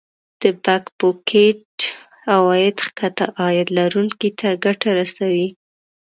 د Back pocket عواید ښکته عاید لرونکو ته ګټه رسوي